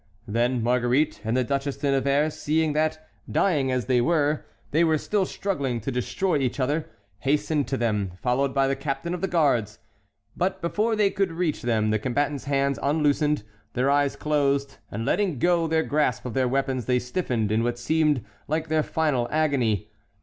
Then Marguerite and the Duchesse de Nevers, seeing that, dying as they were, they were still struggling to destroy each other, hastened to them, followed by the captain of the guards; but before they could reach them the combatants' hands unloosened, their eyes closed, and letting go their grasp of their weapons they stiffened in what seemed like their final agony.